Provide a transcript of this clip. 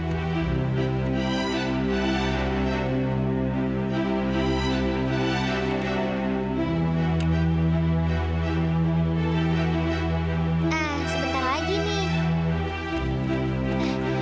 sebentar lagi nih